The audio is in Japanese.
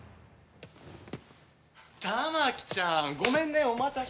たまきちゃんごめんねお待たせ。